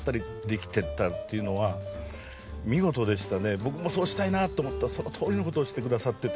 僕もそうしたいなと思ったそのとおりの事をしてくださってて。